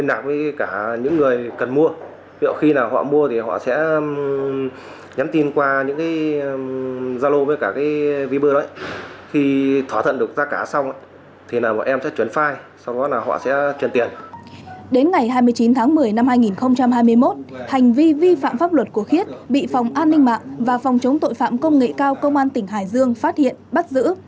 đến ngày hai mươi chín tháng một mươi năm hai nghìn hai mươi một hành vi vi phạm pháp luật của khiết bị phòng an ninh mạng và phòng chống tội phạm công nghệ cao công an tỉnh hải dương phát hiện bắt giữ